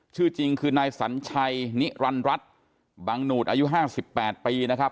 ชื่อจริงคือนายสัญชัยนิรันรัฐบังหนูดอายุ๕๘ปีนะครับ